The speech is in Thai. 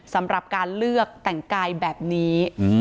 สำหรับการเลือกแต่งกายแบบนี้